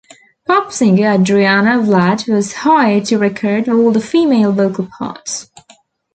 Pop singer Adriana Vlad was hired to record all the female-vocal parts.